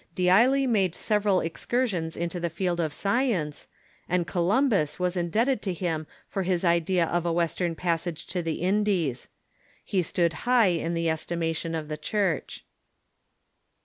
D'Ailly made several excursions into the field of science, and Columbus Avas indebted to him for his idea of a western passage to the Indies. He stood high in the estimation of the Church.